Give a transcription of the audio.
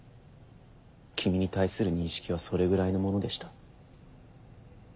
君に対する認識はそれぐらいのものでした。